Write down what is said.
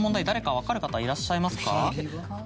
誰か分かる方いらっしゃいますか？